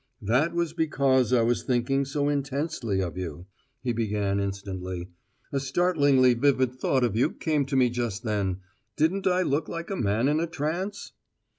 "That was because I was thinking so intensely of you," he began instantly. "A startlingly vivid thought of you came to me just then. Didn't I look like a man in a trance?"